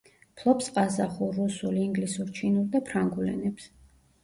ფლობს ყაზახურ, რუსულ, ინგლისურ, ჩინურ და ფრანგულ ენებს.